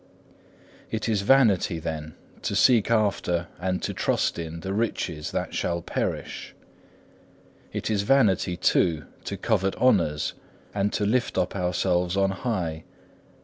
4. It is vanity then to seek after, and to trust in, the riches that shall perish. It is vanity, too, to covet honours, and to lift up ourselves on high.